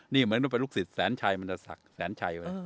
นี่มันก็รุขสิทธย์แสนชัยมันจะสักแสนชัยไว้